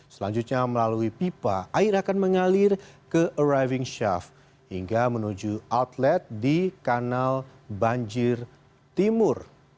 selanjutnya melalui pipa air akan mengalir ke arriving shaft hingga menuju outlet di kanal banjir timur